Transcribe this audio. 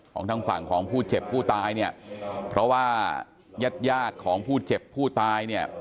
ทางฝั่งของผู้เจ็บผู้ตายเนี่ยเพราะว่ายาดของผู้เจ็บผู้ตายเนี่ย